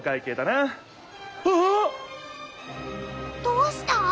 どうした？